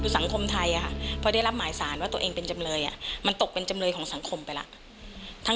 คือสังคมไทยพอได้รับหมายสารว่าตัวเองเป็นจำเลยมันตกเป็นจำเลยของสังคมไปแล้ว